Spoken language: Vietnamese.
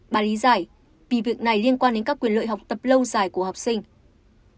bà lý giải vì việc này liên quan đến các quyền lợi học tập lâu dài của học sinh